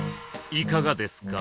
いかがですか？